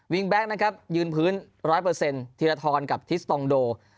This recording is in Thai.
แบงค์นะครับยืนพื้น๑๐๐ธีรทรกับทิสตองโด